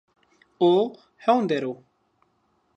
O hewn der o